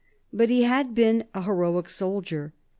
But he had been an heroic soldier.